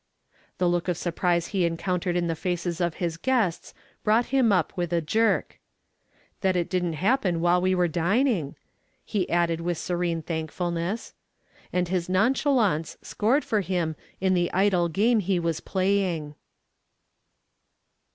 The look of surprise he encountered in the faces of his guests brought him up with a jerk. "That it didn't happen while we were dining," he added with serene thankfulness. And his nonchalance scored for him in the idle game he was playing.